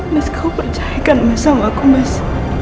mas kau percayakan mas sama aku mas